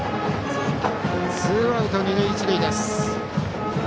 ツーアウト二塁一塁です。